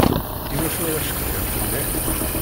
Iwacu ara ccetkiɣ fella-k?